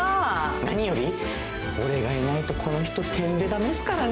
何より俺がいないとこの人てんで駄目っすからね。